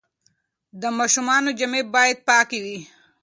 د ماشومانو جامې باید پاکې وي.